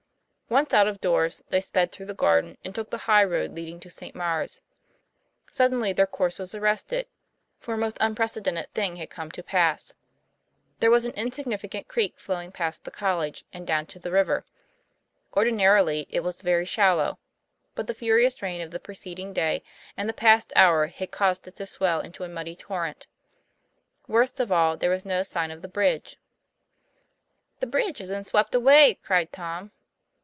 Once out of doors, they sped through the garden, and took the high road leading to St. Maure's. Sud denly their course was arrested, for a most unprece dented thing had come to pass. There was an in significant creek flowing past the college and down to the river. Ordinarily it was very shallow, but the furious rain of the preceding day and the past hour had caused it to swell into a muddy torrent. Worst of all, there was no sign of the bridge. ' The bridge has been swept away! ' cried Tom.